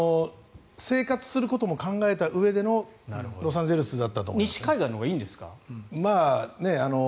生活することも考えたうえでのロサンゼルスだったと思います。